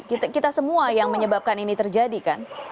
kita semua yang menyebabkan ini terjadi kan